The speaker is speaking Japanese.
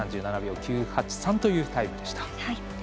３７秒９８というタイムでした。